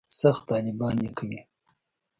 سخت طالبان یې کوي.